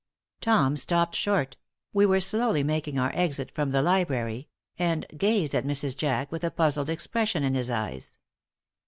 Tom stopped short we were slowly making our exit from the library and gazed at Mrs. Jack with a puzzled expression in his eyes.